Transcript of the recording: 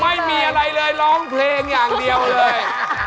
ไม่มีอะไรเลยร้องเพลงอย่างเดียวเลย